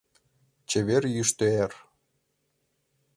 Чевер йӱштӧ эр.